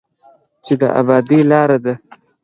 چې د ابادۍ لاره ده.